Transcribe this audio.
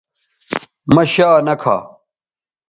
مہ شا نہ کھا